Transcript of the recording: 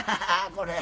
これ。